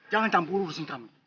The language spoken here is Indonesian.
jangan tambah urusin kami